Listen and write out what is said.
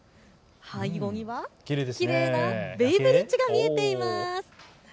背後にはきれいなベイブリッジが見えてます。